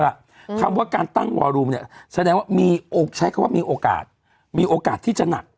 ครับคำว่าการตั้งนี่เสนอว่ามีใช้คำว่ามีโอกาสมีโอกาสที่จะหนัก